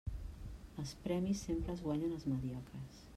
Els premis sempre els guanyen els mediocres.